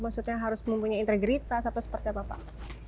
maksudnya harus mempunyai integritas atau seperti apa pak